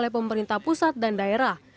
pemerintah pusat dan daerah